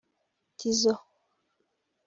Tizzo